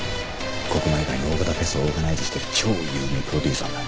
国内外の大型フェスをオーガナイズしてる超有名プロデューサーだ。